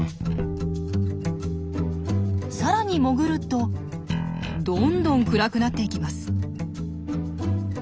さらに潜るとどんどん暗くなっていきます。